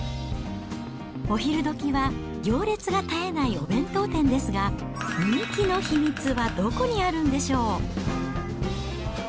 お昼どきは行列が絶えないお弁当店ですが、人気の秘密はどこにあるんでしょう？